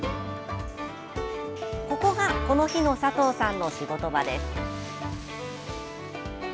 ここがこの日の佐藤さんの仕事場です。